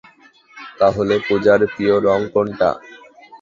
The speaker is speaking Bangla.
তাহলে পুজার প্রিয় রঙ কোনটা?